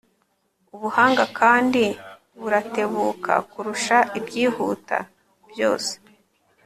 ubuhanga kandi buratebuka kurusha ibyihuta byos